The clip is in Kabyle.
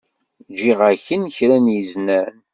Ǧǧiɣ-ak-n kra n yiznan.